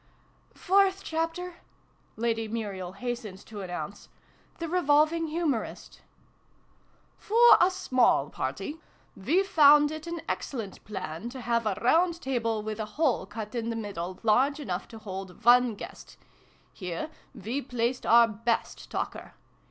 " Fourth Chapter !" Lady Muriel hastened to announce. "The Revolving H umorist !"" For a small party we found it an excellent plan to have a round table, with a hole cut in L 146 SYLVIE AND BRUNO CONCLUDED. the middle large enough to hold one guest. Here we placed our best talker.